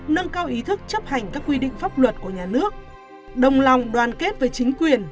nâng cao ý thức chấp hành các quy định pháp luật của nhà nước đồng lòng đoàn kết với chính quyền